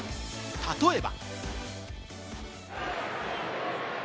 例えば。